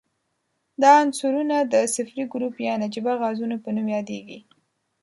دا عنصرونه د صفري ګروپ یا نجیبه غازونو په نوم یادیږي.